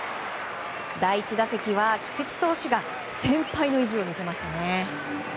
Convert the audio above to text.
第１打席は菊池投手が先輩の意地を見せましたね。